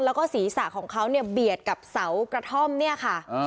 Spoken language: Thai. แล้วก็ศีรษะของเขาเนี่ยเบียดกับเสากระท่อมเนี่ยค่ะ